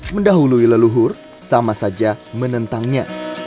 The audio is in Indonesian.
mendahului leluhur sama saja menentangnya